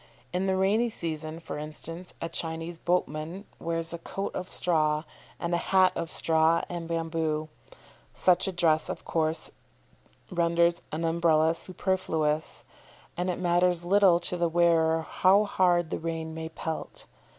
In the rainy season, for instance, a Chinese boatman wears a coat of straw, and a hat of straw and bamboo. Such a dress, of course, renders an Umbrella superfluous, and it matters little to the wearer how hard the rain may pelt.